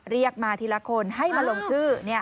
เรียกมาทีละคนให้มาลงชื่อ